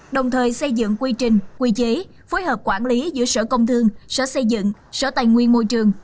đồng thời xây dựng quy trình quy chế phối hợp quản lý giữa sở công thương sở xây dựng sở tài nguyên môi trường